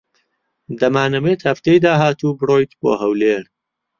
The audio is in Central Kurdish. دەمانەوێت هەفتەی داهاتوو بڕۆیت بۆ ھەولێر.